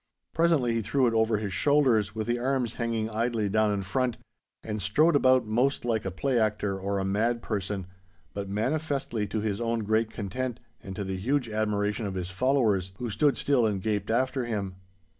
Presently he threw it over his shoulders, with the arms hanging idly down in front, and strode about most like a play actor or a mad person—but manifestly to his own great content and to the huge admiration of his followers, who stood still and gaped after him.